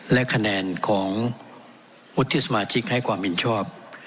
และคะแนนของวุฒิสมาชิกให้ความเห็นชอบ